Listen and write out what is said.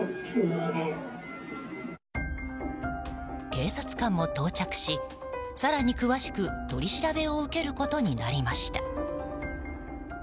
警察官も到着し、更に詳しく取り調べを受けることになりました。